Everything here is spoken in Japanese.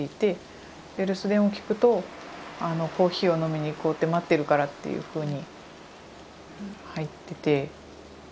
で留守電を聞くとコーヒーを飲みに行こうって待ってるからっていうふうに入ってて。